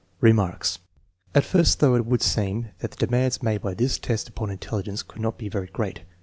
Remarks. At first thought it would seem that the de mands made by this test upon intelligence could not be very great.